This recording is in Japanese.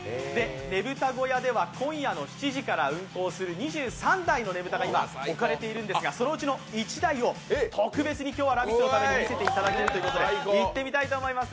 ねぶた小屋では今夜の７時から運行する２３台のねぶたが置かれているんですがそのうちの１台を特別に今日は「ラヴィット！」のために見せていただけるということで行ってみたいと思います。